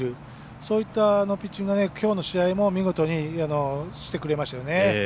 そういったピッチングがきょうの試合も見事にしてくれましたよね。